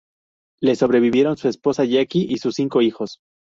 Le sobrevivieron su esposa Jackie y sus cinco hijos.